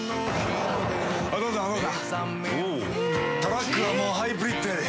トラックはもうハイブリッドやで。